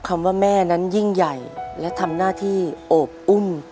คำว่าแม่นั้นยิ่งใหญ่และทำหน้าที่โอบอุ้ม